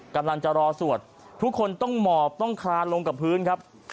กำลังจะรอสวดทุกคนต้องหมอบต้องคลานลงกับพื้นครับ